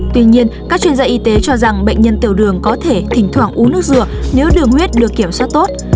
tuy nhiên các chuyên gia y tế cho rằng bệnh nhân tiểu đường có thể thỉnh thoảng uống nước dừa nếu đường huyết được kiểm soát tốt